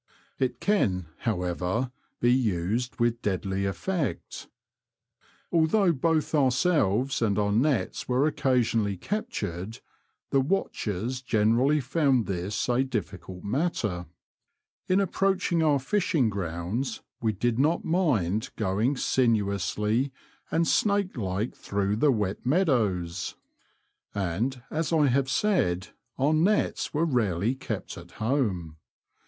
It can, however, be used with deadly effect. Although both ourselves and our nets were occasionally captured, the watchers generally found this a difficult matter. In approaching our fishing grounds we did not mind going sinuously and snake like through the wet meadows, and as I have said, our nets were rarely kept at home.